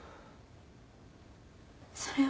それは。